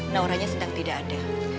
nauranya sedang tidak ada